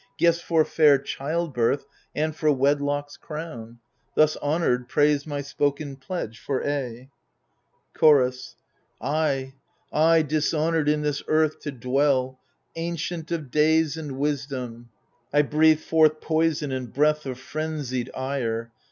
Gifts for fair childbirth and for wedlock's crown : Thus honoured, praise my spoken pledge for aye. Chorus I, I dishonoured in this earth to dwell, — Ancient of days and wisdom ! I breathe forth Poison and breath of frenzied ire.